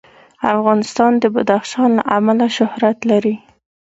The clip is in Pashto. افغانستان د بدخشان له امله شهرت لري.